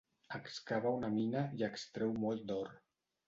Excava una mina i extreu molt d'or.